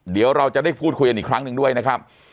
เดี๋ยวเราจะได้พูดคุยกันอีกครั้งหนึ่งด้วยนะครับ